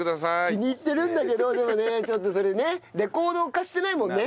気に入ってるんだけどでもねちょっとそれねレコード化してないもんね。